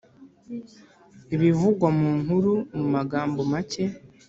ibivugwa mu nkuru mu magambo make